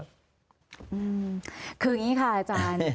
คืออย่างนี้ค่ะอาจารย์